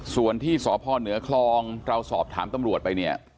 ส่วนที่สพเหนือคลองเราสอบถามตำรวจไปเนี่ย